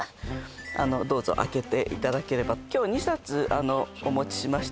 どうぞ開けていただければ今日２冊お持ちしました